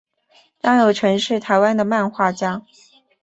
张友诚是台湾的漫画家。